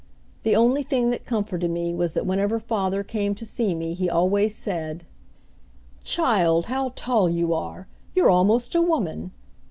The only thing that comforted me was that whenever father came to see me he always said: "Child, how tall you are! You're almost a woman!"